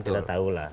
tidak tahu lah